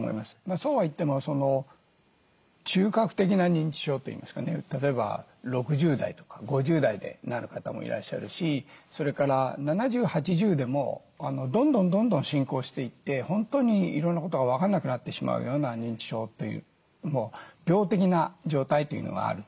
そうはいっても中核的な認知症といいますかね例えば６０代とか５０代でなる方もいらっしゃるしそれから７０８０でもどんどんどんどん進行していって本当にいろんなことが分かんなくなってしまうような認知症というもう病的な状態というのがある。